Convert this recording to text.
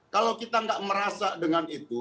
kalau kita nggak merasa dengan itu